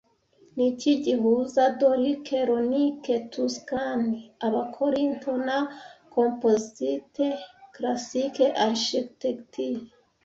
Niki gihuza Doric, Ionic, Tuscan, Abakorinto na Composite Classic Architecture